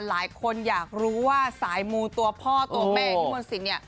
หลายคนอยากรู้ว่าสายมูตัวพ่อตัวแม่พี่มนศิลปเนี่ย